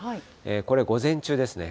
これ、午前中ですね。